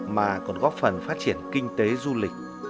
mà còn góp phần phát triển kinh tế du lịch